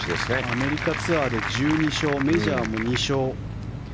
アメリカツアーで１２勝メジャーも２勝。